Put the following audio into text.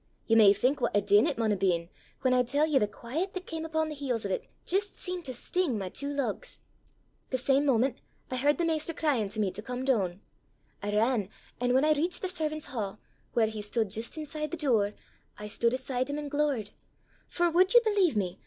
Ye may think what a din it maun hae been, whan I tell ye the quaiet that cam upo' the heels o' 't jist seemed to sting my twa lugs. The same moment I h'ard the maister cryin' til me to come doon. I ran, an' whan I reached the servan's ha', whaur he stood jist inside the door, I stood aside him an' glowert. For, wad ye believe me!